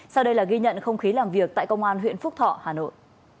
sau đây là ghi nhận không khí làm việc tại công an huyện phúc thọ hà nội